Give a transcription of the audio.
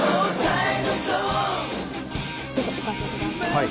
はい。